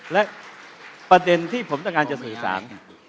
และประเด็นที่ผมต้องการจะสื่อสาร